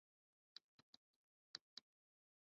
特拉曼达伊是巴西南大河州的一个市镇。